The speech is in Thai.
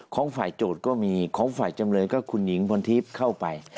ของฝ่ายโจทย์ก็มีของฝ่ายจำเลยก็คุณหญิงพลทิพย์เข้าไป